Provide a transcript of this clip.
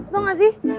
tau gak sih